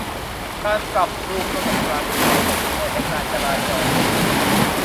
การปรับปรุงระบบการขนส่งช่วยให้การจราจรดีขึ้น